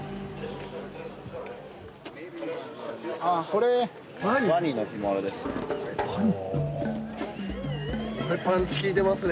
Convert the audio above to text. これワニの干物ですねワニ？